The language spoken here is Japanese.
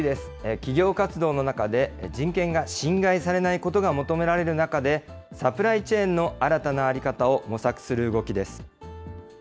企業活動の中で、人権が侵害されないことが求められる中で、サプライチェーンの新たな在り方を模索する動きです。